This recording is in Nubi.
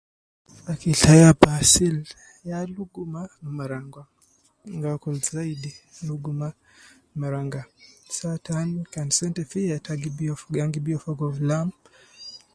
Akil tai ab asil ya luguma me marangwa, an gi akul zaidi luguma me marangwa, saa tan kan sente fi ye te gi biyo fogo, ya ana gi biyo fogo fi lam